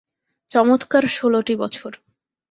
চমৎকার ষোলটি বছর।